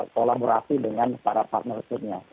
kolaborasi dengan para partner partnernya